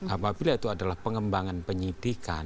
apabila itu adalah pengembangan penyidikan